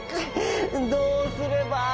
どうすれば。